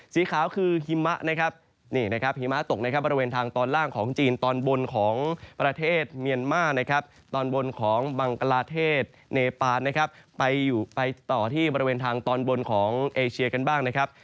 สีขาวคือหิมะนะครับนี่นะครับหิมะตกนะครับบริเวณทางตอนล่างของจีนตอนบนของประเทศเมียนมานะครับตอนบนของบังกลาเทศเนปานนะครับไปอยู่ไปต่อที่บริเวณทางตอนบนของเอเชียกันบ้างนะครับ